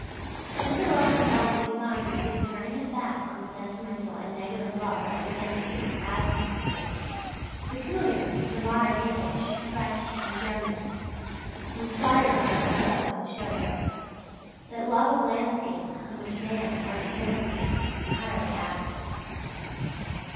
This alone is already a sign that he is turning his back on the sentimental and negative love of landscape as landscape, peculiar to the modern English, French, and Germans, inspired by Rousseau and Schiller that love of landscape in which man or the hand of man is entirely absent.